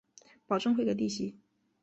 保证会给利息